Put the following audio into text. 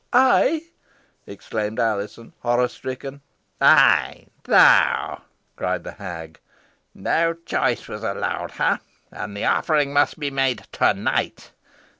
"I!" exclaimed Alizon, horror stricken. "Ay, thou!" cried the hag. "No choice was allowed her, and the offering must be made to night.